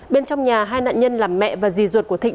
bên trong nhà hai nạn nhân làm mẹ và dì ruột của thịnh